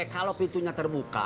kalau pintunya terbuka